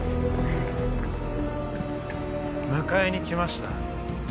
迎えに来ました。